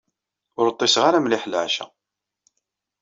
Ur ṭṭiseɣ ara mliḥ leɛca.